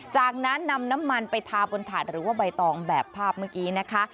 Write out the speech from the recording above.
จากนั้นนำน้ำมันไปทาบนถาดหรือว่าใบตองแบบภาพเมื่อกี้นะคะ